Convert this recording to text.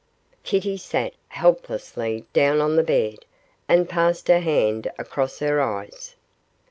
Kitty sat helplessly down on the bed, and passed her hand across her eyes.